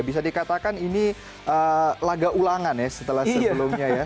bisa dikatakan ini laga ulangan ya setelah sebelumnya ya